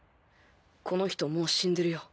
この人もう死んでるよ。